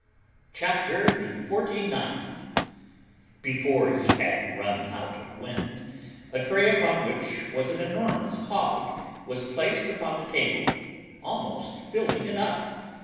'" CHAPTER THE FORTY NINTH. Before he had run out of wind, a tray upon which was an enormous hog was placed upon the table, almost filling it up.